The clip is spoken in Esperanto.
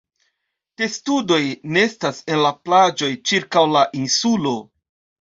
Testudoj nestas en la plaĝoj ĉirkaŭ la insulo.